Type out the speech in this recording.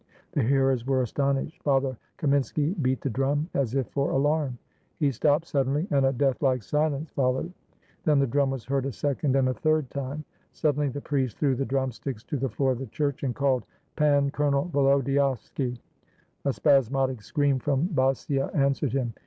The hearers were astonished. Father Kaminski beat the drum as if for alarm; he stopped suddenly, and a deathlike silence followed. Then the drum was heard a second and a third time; suddenly the priest threw the drumsticks to the floor of the church, and called, — 145 RUSSIA "Pan Colonel Volodyovski !" A spasmodic scream from Basia answered him.